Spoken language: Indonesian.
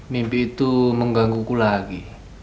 mimpi itu mengganggu ku lagi